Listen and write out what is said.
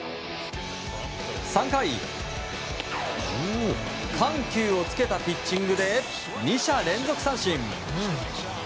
３回、緩急をつけたピッチングで２者連続三振。